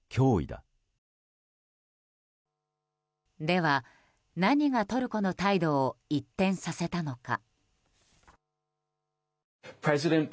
では、何がトルコの態度を一転させたのか。